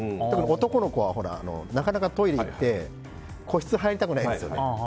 ただ、男の子はなかなかトイレに行って個室、入りたくないんですよね。